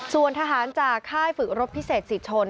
ส่วนทหารจากค่ายฝึกรบพิเศษศรีชน